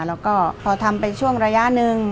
แล้วก็พอทำไปช่วงระยะหนึ่ง